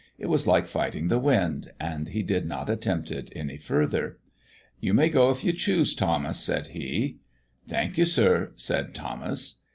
It was like fighting the wind, and he did not attempt it any further. "You may go if you choose, Thomas," said he. "Thank you, sir," said Thomas.